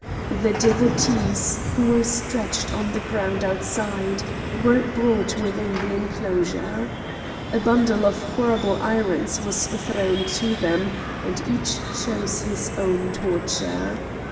The Devotees, who were stretched on the ground outside, were brought within the enclosure. A bundle of horrible irons was thrown to them, and each chose his own torture.